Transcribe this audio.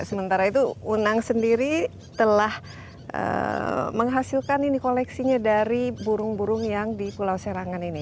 sementara itu unang sendiri telah menghasilkan ini koleksinya dari burung burung yang di pulau serangan ini